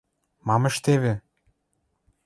Мам ӹштевӹ?